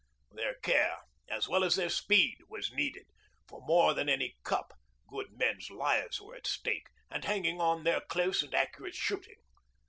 Their care, as well as their speed, was needed; for, more than any cup, good men's lives were at stake and hanging on their close and accurate shooting.